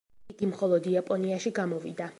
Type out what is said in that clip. იგი მხოლოდ იაპონიაში გამოვიდა.